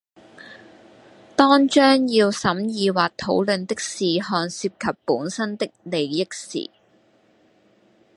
當將要審議或討論的事項涉及本身的利益時